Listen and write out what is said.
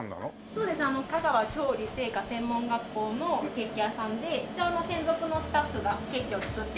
そうです香川調理製菓専門学校のケーキ屋さんで一応専属のスタッフがケーキを作って販売してる。